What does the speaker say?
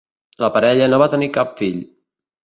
La parella no va tenir cap fill.